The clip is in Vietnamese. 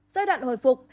giai đoạn hồi phục